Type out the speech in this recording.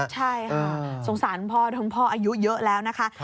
ใช่สงสารคุณพ่อคุณพ่ออายุเยอะแล้วนะคะ